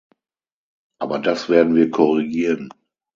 Aber das werden wir korrigieren.